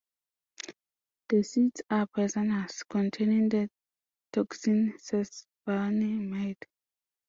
The seeds are poisonous, containing the toxin sesbanimide.